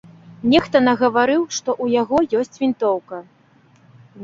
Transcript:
Нехта нагаварыў, што ў яго ёсць вінтоўка.